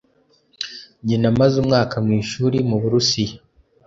Njye namaze umwaka mwishuri muburusiya.